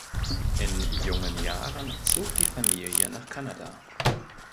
In jungen Jahren zog die Familie nach Kanada.